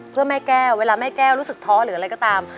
เพื่อแม่แก้วเวลาแม่แก้วรู้สึกท้อหรืออะไรก็ตาม